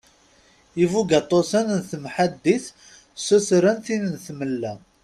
Ibugaṭuten n temḥaddit ssutren tin tmella.